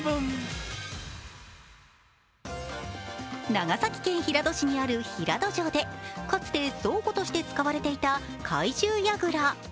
長崎県平戸市にある平戸城でかつて倉庫として使われていた懐柔櫓。